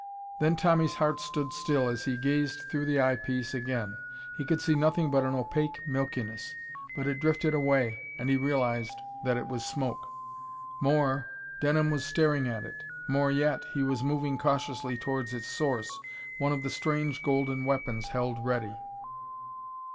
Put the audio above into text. Then Tommy's heart stood still as he gazed through the eye piece again. He could see nothing but an opaque milkiness. But it drifted away, and he realised that it was smoke. More, Denham was staring at it. More yet, he was moving cautiously towards its source, one of the strange golden weapons held ready....